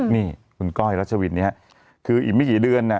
นี่คุณก้อยรัชวินเนี่ยคืออีกไม่กี่เดือน